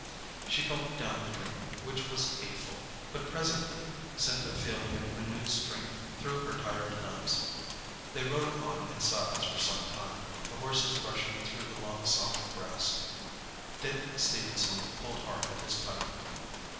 She gulped down the drink, which was hateful, but presently sent a feeling of renewed strength through her tired limbs. They rode on in silence for some time, the horses brushing through the long soft grass. Dick Stephenson pulled hard at his pipe.